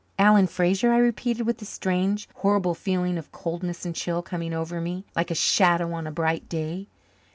"Alan Fraser?" I repeated, with a strange, horrible feeling of coldness and chill coming over me like a shadow on a bright day.